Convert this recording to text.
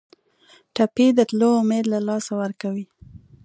ټپي د تلو امید له لاسه ورکوي.